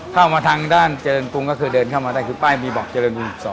เข้ามาทางด้านเจริญกรุงก็คือเดินเข้ามาได้คือป้ายมีบอกเจริญกรุง๒